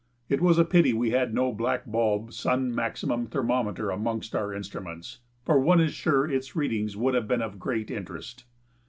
It was a pity we had no black bulb, sun maximum thermometer amongst our instruments, for one is sure its readings would have been of great interest.